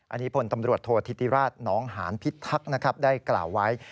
อันนี้ผลตำรวจโทษทิฏราชน้องหานพิษทักได้กล่าวไว้